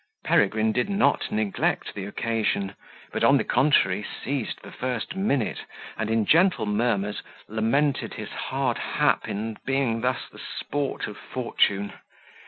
Peregrine did not neglect the occasion; but, on the contrary, seized the first minute, and, in gentle murmurs, lamented his hard hap in being thus the sport of fortune.